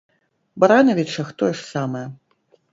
Баранавічах тое ж самае.